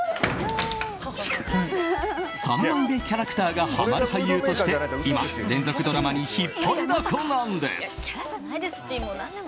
三枚目キャラクターがハマる俳優として今、連続ドラマに引っ張りだこなんです。